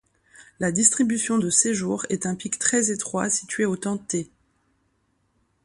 La distribution de séjour est un pic très étroit situé au temps τ.